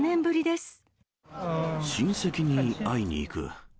親戚に会いに行く。